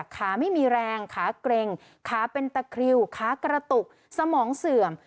ขาไม่มีแรงขาเกร็งขาเป็นตะคริวขากระตุกสมองเสื่อม